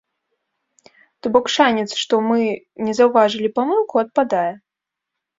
То бок шанец, што мы не заўважылі памылку адпадае.